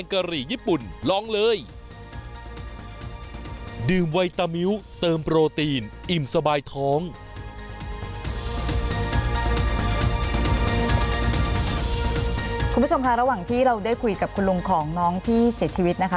คุณผู้ชมค่ะระหว่างที่เราได้คุยกับคุณลุงของน้องที่เสียชีวิตนะคะ